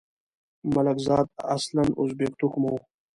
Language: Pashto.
ملکزاد اصلاً ازبک توکمه وو.